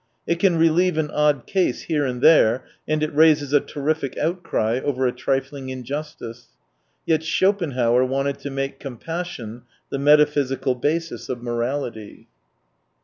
It can "relieve an odd case here and there — and it raises a terrific outcry over a trifling injustice. Yet Schopenhauer wanted to make compassion the metaphysical basis of morality.